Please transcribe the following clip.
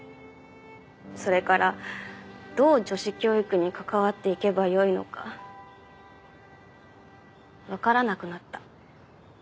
それからどう女子教育に関わっていけばよいのかわからなくなった。